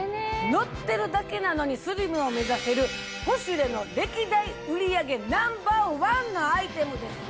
乗ってるだけなのにスリムを目指せる『ポシュレ』の歴代売り上げナンバーワンのアイテムですよ。